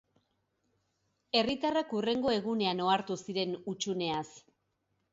Herritarrak hurrengo egunean ohartu ziren hutsuneaz.